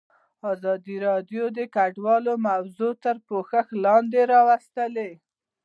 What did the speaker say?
ازادي راډیو د کډوال موضوع تر پوښښ لاندې راوستې.